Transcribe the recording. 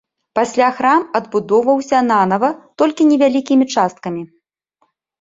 Пасля храм адбудоўваўся нанава толькі невялікімі часткамі.